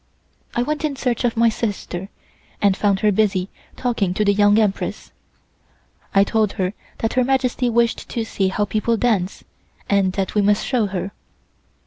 I went in search of my sister, and found her busy talking to the Young Empress. I told her that Her Majesty wished to see how people dance, and that we must show her.